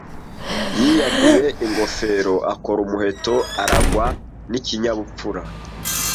Yiyambuye ingofero akora umuheto urangwa n'ikinyabupfura.